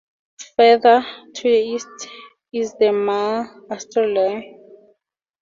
Farther to the east is the Mare Australe.